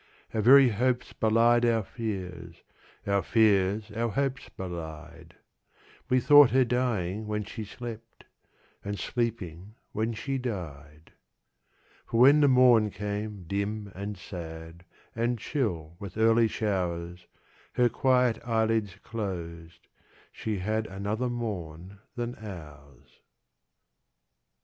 Our very hopes belied our fears, Our fears our hopes belied; 10 We thought her dying when she slept, And sleeping when she died. For when the morn came dim and sad, And chill with early showers, Her quiet eyelids closed she had 15 Another morn than ours.